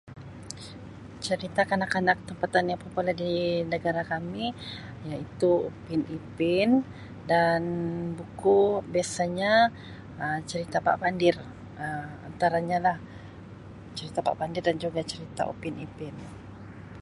Cerita kanak-kanak tempatan yang popular di negara kami iaitu Upin Ipin dan buku biasanya Um cerita Pak Pandir Um antaranya lah cerita Pak Pandir dan cerita Upin Ipin.